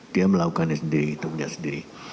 dia melakukannya sendiri itu melihat sendiri